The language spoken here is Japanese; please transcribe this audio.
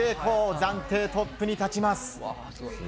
暫定トップに立ちます。